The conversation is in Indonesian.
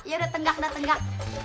ya udah tenggak udah tenggak